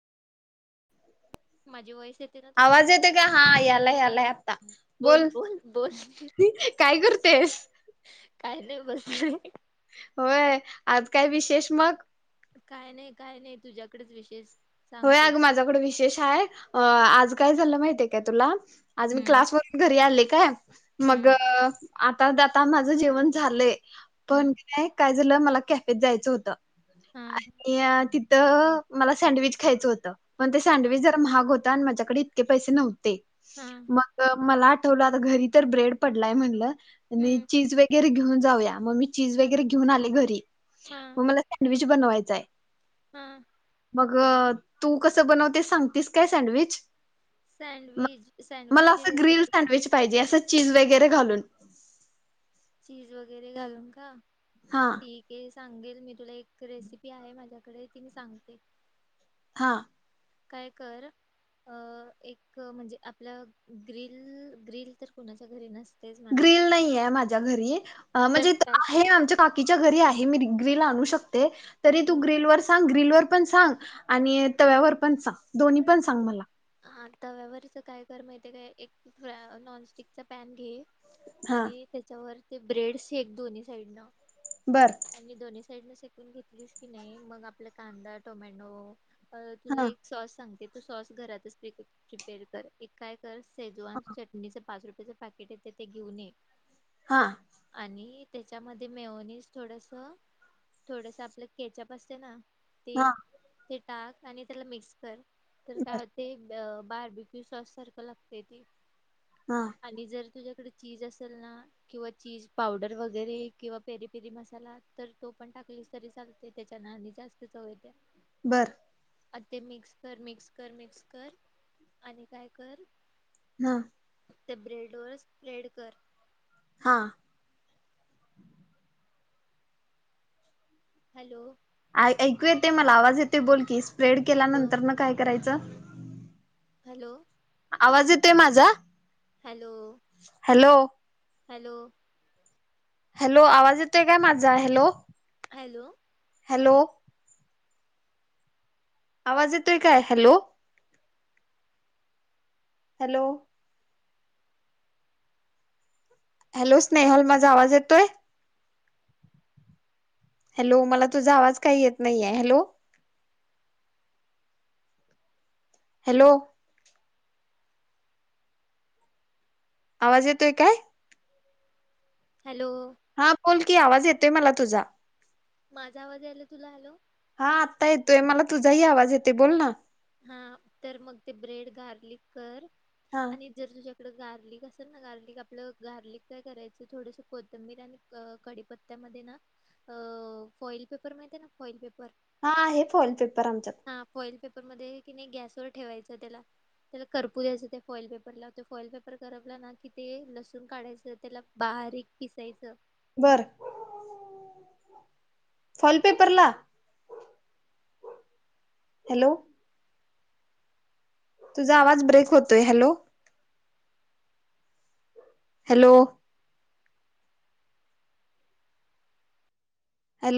माझी वॉइस येते ना तुला? आवाज येतोय का हा, याला यालाय आत्ता बोल काय करतेस. काय नाही बसलोय. होय आज काय विशेष मग. काय नाही काय नाही तुझ्याकडेच विशेष. सांग होय अग तूच माझ्याकडे विशेष आहे आज काय झालं माहितीय का तुला आज मी हम्म क्लासवरून घरी आले. का. मग हम्म आता आता माझं जेवण झालंय. हम्म पणय काय काल चला मला कॅफेत जायचं होतं. हा आणि ती तर मला सँडविच खायचं होतं. पण ते हा सँडविच जर महाग होते. हो माझ्याकडे इतक पैसे नव ते हा मग मला ला आता घरी तर ब्रेड पडलाय म्हणलं आणि हम्म चीज वगैरे घेऊ जाऊया मग मी चीज हा वगैरे घेऊन आले घरी म मला सँडविच बनवायचाय. हम्. मग तू कसं बनवते? सांगतीस काय सँडविच? सँडविच मला सँडविचची अस ग्रिल रेसिपी सँडविच पाहिजे असं चीज वगैरे घालून. चीज वगैरे घालून का? हा ठीक आहे. सांगेल मी तुला एक. रेसिपी आहे माझ्या कडे ती मी सांगते हा काय कर अ एक म्हणजे आपल्या ग्रल ग्रिल तर कोणाच्या घरी नसत. ग्रिल नाही आहे माझ्या घरी पण म्हणजे काय आहे आमच्या काकीच्या घरी आहे. हे मी ग्रील आणू शकते. तरी तू ग्रिल वर सांग ग्रिलवर पण सांग आणि तव्यावर पण सांग दोन्ही पण सांग मला हा तव्यावरच काय? कर माहिते काय? एक नॉनस्टिकचा पॅन घे. हा आणि त्याच्यावर ते ब्रेडसे एक दोन्ही साईड ना, बर आणि दोन साईडन शेकून घेतलीस की नाही मग आपला कांदा, टोमॅटो अ तुला हा एक सॉस सांग तो सॉस घरातच प्रिपे प्रिपेअर कर. एक काय तर शेजवान चटणीचे पाच रुप तेच पॅकेट येतंय ते घेऊन ये. हा आणि तेच्यामध्ये मेयोनीज थोडस, थोडस आपलं केचप असतं ना हा ते ते टाक आणि त्याला मिक्स कर तर काय बर होते द बारबीक्यु साँस सारख लागतयं ते. हा आणि जर तुझ्या तुझ्या कडं चीज असेल ना, किंवा चीज पावडर वगैरे किंवा पेरी पेरी मसाला तर तो पण टाकलीस तरी चालतयं त्याच्यान आणि जास्त चव येत्या. बरं. अ ते मिक्सर मिक्स कर मिक्स कर आणि काय कर? हा. त्या ब्रेड वर स्प्रेड कर. हा. हॅलो! ऐकू येते, मला आवाज येतोयं बोल की. स्प्रेड केल्या हॅलो नंतर न काय करायचं? हॅलो! आवाज येतोय माझा? Hello hello! हॅलो! हॅलो! आवाज येतोय काय, माझा हॅलो! हॅलो! हॅलो! आवाज येतोय काय, हॅलो! हॅलो! हॅलो! स्नेहल माझा आवाज येतोय? हॅलो! मला तुझा आवाज काही येत नाहीये, हॅलो! हॅलो! आवाज येतोय काय? हॅलो हा बोल की, आवाज येत तोय मला तुझा. माझा आवाज यायला तुला, हॅलो! हा आत्ता येतोय, मला तुझाही आवाज येतोय बोल ना? हा तर मग ते ब्रेड गार्लिक कर. हा आणि [unintelligible] गार्लिक असेल ना गार्लिक आपलं गार्लिक काय करायचं, थोडस कोथंबीर आणि कडीपत्त्या मध्ये ना अ फॉइल पेपर माहिती आहे ना फॉइल पेपर हा आहे फॉइल पेपर आमच्यात. कुकरमध्ये की नाही गॅसवर ठेवायचं, त्याला करपू द्यायचं त्या फॉइल पेपरला फॉइल पेपर करपला ना कि ते लसूण काढायचं त्याला बारीक पिसायचं. बरं फॉल पेपर ला. हॅलो! तुझा आवाज ब्रेक होतोय, हॅलो! हॅलो!